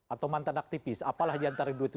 atau mantan aktivis apalah diantara dua itu